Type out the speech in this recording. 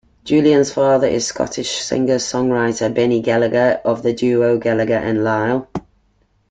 Julian's father is Scottish singer-songwriter Benny Gallagher, of the duo Gallagher and Lyle.